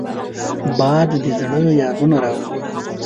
باد د زړه یادونه راولي